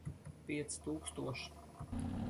Pieci tūkstoši.